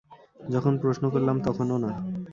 যখন প্রশ্ন করলাম তখনো না।